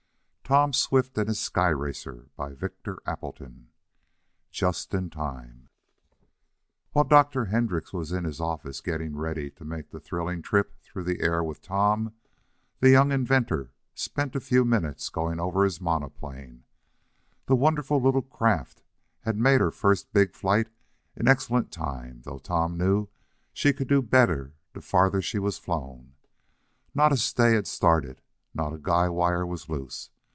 Tom's heart gave a bound of hope. Chapter Twenty Just in Time While Dr. Hendrix was in his office, getting ready to make the thrilling trip through the air with Tom, the young inventor spent a few minutes going over his monoplane. The wonderful little craft had made her first big flight in excellent time, though Tom knew she could do better the farther she was flown. Not a stay had started, not a guy wire was loose.